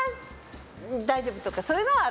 この人なら大丈夫とかそういうのはある。